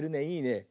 いいね。